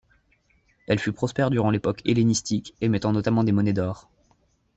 Elle fut prospère durant l'époque hellénistique, émettant notamment des monnaies d'or.